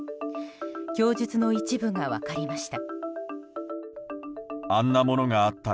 供述の一部が分かりました。